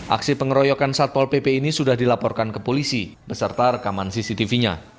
aksi pengeroyokan satpol pp ini sudah dilaporkan ke polisi beserta rekaman cctv nya